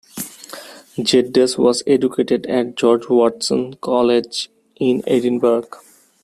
Geddes was educated at George Watson's College, in Edinburgh.